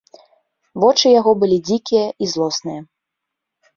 Вочы яго былі дзікія і злосныя.